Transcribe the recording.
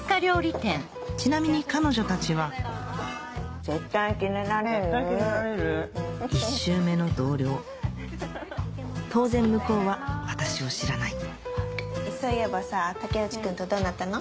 ちなみに彼女たちは１周目の同僚当然向こうは私を知らないそういえばさ竹内君とどうなったの？